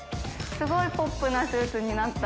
すごいポップなスーツになった！